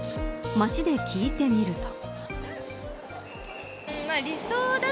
街で聞いてみると。